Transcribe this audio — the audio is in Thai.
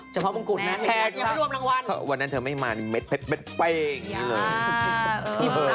เฉพาะมงกุฎนะแพทย์วันนั้นเธอไม่มาแม่เผ็ดไปอย่างงี้เลย